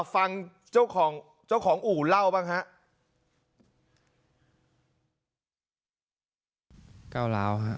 ฟังเจ้าของอู่เล่าบ้างฮะ